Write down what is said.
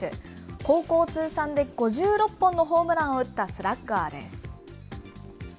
高校通算で５６本のホームランを打ったスラッガーです。